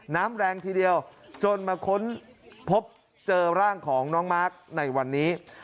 น้ำแรงทีเดียวจนมาค้นพบเจอร่างของน้องมาร์คในวันนี้